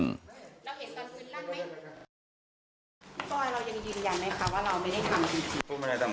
พี่บอยเรายังยืนยันไหมคะว่าเราไม่ได้ทำ